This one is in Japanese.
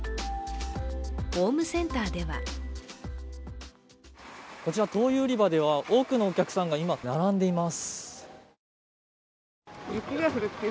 ホームセンターではこちら、灯油売り場では多くのお客さんが今、並んでいます。